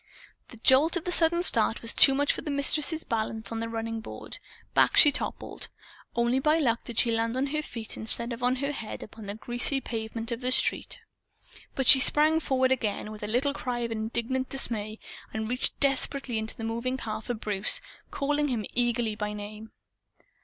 The jolt of the sudden start was too much for the Mistress's balance on the running board. Back she toppled. Only by luck did she land on her feet instead of her head, upon the greasy pavement of the street. But she sprang forward again, with a little cry of indignant dismay, and reached desperately into the moving car for Bruce, calling him eagerly by name.